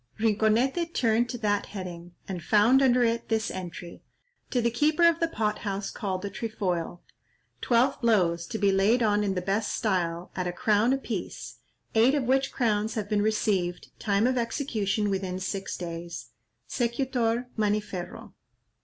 '" Rinconete turned to that heading, and found under it this entry:—"To the keeper of the pot house called the Trefoil, twelve blows, to be laid on in the best style, at a crown a piece, eight of which crowns have been received; time of execution, within six days. Secutor, Maniferro."